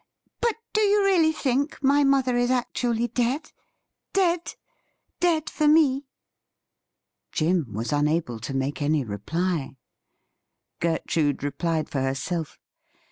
But do you really think my mother is actually dead — dead — dead for me ?' Jim was unable to make any reply. Gertrude replied for herself.